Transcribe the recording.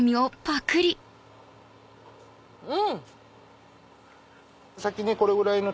うん！